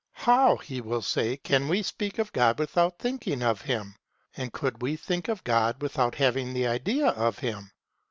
How, he will say, can we speak of God without thinking of him. And could we think of God without having the idea of him?